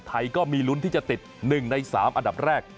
ไทยก็มีลุ้นที่จะติด๑ใน๓อันดับแรก